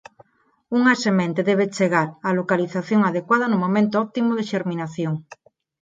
Unha semente debe chegar á localización adecuada no momento óptimo de xerminación.